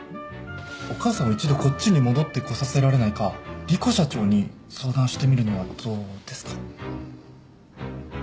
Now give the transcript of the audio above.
お母さんを一度こっちに戻ってこさせられないか莉湖社長に相談してみるのはどうですか？